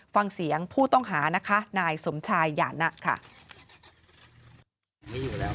ฟังเสียงผู้ต้องหานะคะนายสมชายหย่านะค่ะ